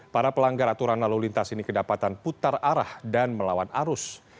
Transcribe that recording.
para pelanggar aturan lalu lintas ini kedapatan putar arah dan melawan arus